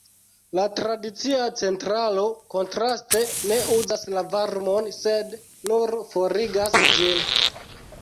La tradicia centralo kontraste ne uzas la varmon, sed nur forigas ĝin.